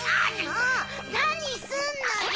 もうなにすんのよ！